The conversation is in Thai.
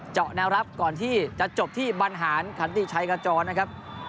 เจาะแนวรับก่อนที่จะจบที่บรรหารขันติชัยขจรนะครับ